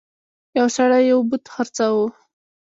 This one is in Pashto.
یو سړي یو بت خرڅاوه.